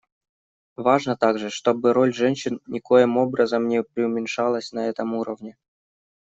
Важно также, чтобы роль женщин никоим образом не приуменьшалась на этом уровне.